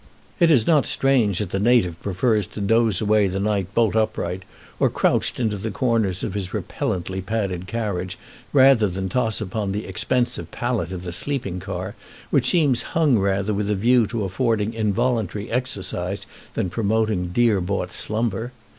It is not strange that the native prefers to doze away the night bolt upright, or crouched into the corners of his repellently padded carriage, rather than toss upon the expensive pallet of the sleeping car, which seems hung rather with a view to affording involuntary exercise than promoting dear bought slumber.